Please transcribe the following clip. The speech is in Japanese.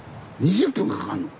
２０分かかんの？